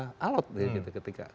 ini juga sangat menarik